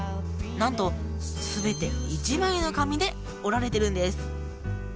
なんと全て一枚の紙で折られてるんです。